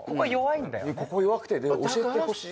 ここ弱くて教えてほしい。